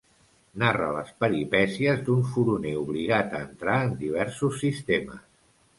Narra les peripècies d'un furoner obligat a entrar en diversos sistemes.